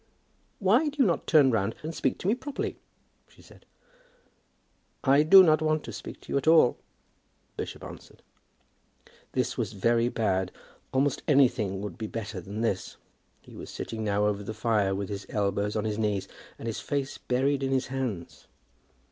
"Why do you not turn round and speak to me properly?" she said. "I do not want to speak to you at all," the bishop answered. This was very bad; almost anything would be better than this. He was sitting now over the fire, with his elbows on his knees, and his face buried in his hands.